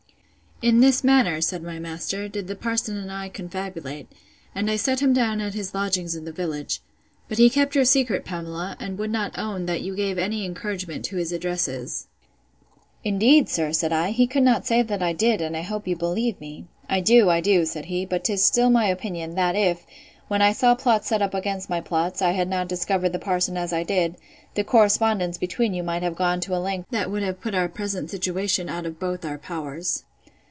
In this manner, said my master, did the parson and I confabulate; and I set him down at his lodgings in the village. But he kept your secret, Pamela; and would not own, that you gave any encouragement to his addresses. Indeed, sir, said I, he could not say that I did; and I hope you believe me. I do, I do, said he: but 'tis still my opinion, that if, when I saw plots set up against my plots, I had not discovered the parson as I did, the correspondence between you might have gone to a length that would have put our present situation out of both our powers.